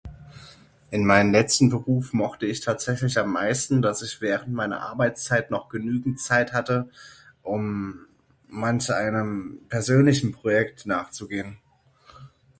In meinem letzten Beruf mochte ich tatsächlich am meisten, das ich während meiner Arbeitszeit noch genügend Zeit hatte um manch einem persönlichen Projekt nach zu gehen.